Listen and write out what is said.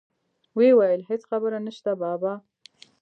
ويې ويل هېڅ خبره نشته بابا.